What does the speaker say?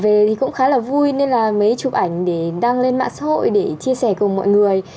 về thì cũng khá là vui nên là mấy chụp ảnh để đăng lên mạng xã hội để chia sẻ cùng mọi người